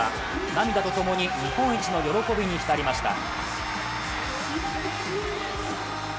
涙とともに日本一の喜びに浸りました。